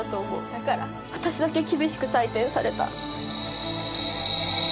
だから私だけ厳しく採点された。